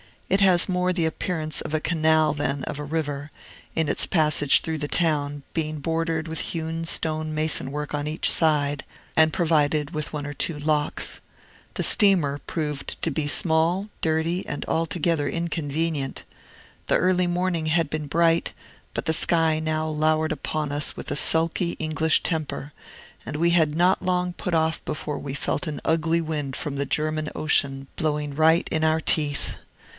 It has more the appearance of a canal than of a river, in its passage through the town, being bordered with hewn stone mason work on each side, and provided with one or two locks. The steamer proved to be small, dirty, and altogether inconvenient. The early morning had been bright; but the sky now lowered upon us with a sulky English temper, and we had not long put off before we felt an ugly wind from the German Ocean blowing right in our teeth.